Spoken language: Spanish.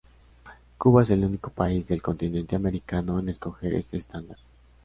Cuba es el único país del continente americano en escoger este estándar.